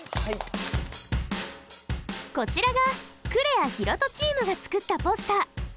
こちらがクレア・大翔チームが作ったポスター。